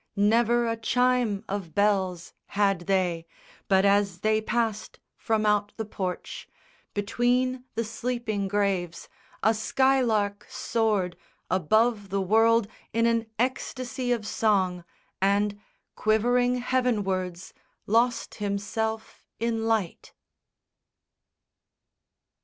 Never a chime of bells Had they: but as they passed from out the porch Between the sleeping graves, a skylark soared Above the world in an ecstasy of song, And quivering heavenwards, lost himself in light.